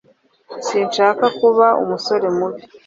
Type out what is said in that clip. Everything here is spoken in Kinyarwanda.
Sinshaka kuba umusore mubi.